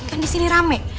kan disini rame